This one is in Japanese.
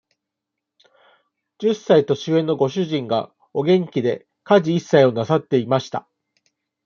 十歳年上のご主人が、お元気で、家事一切をなさっていました。